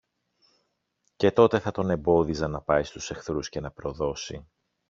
Και τότε θα τον εμπόδιζα να πάει στους εχθρούς και να προδώσει.